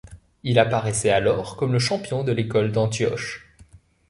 Il apparaissait alors comme le champion de l'École d'Antioche.